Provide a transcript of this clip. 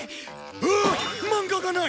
あっ漫画がない！？